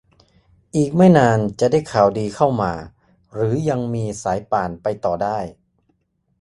อีกไม่นานจะได้ข่าวดีเข้ามา หรือยังมีสายป่านไปต่อได้